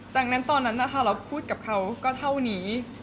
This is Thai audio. ดังนั้นตอนนั้นนะคะเราพูดกับเขาก็เท่านี้